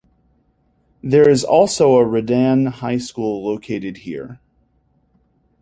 There is also a Redan High School located here.